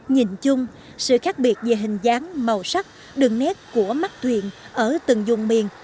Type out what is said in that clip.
nhìn chung sự khác biệt về hình dáng màu sắc đường nét của mắt thuyền ở từng dùng miền